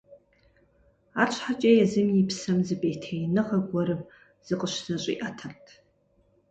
Арщхьэкӏэ езым и псэм зы пӏейтеиныгъэ гуэрым зыкъыщызэщӏиӏэтэрт.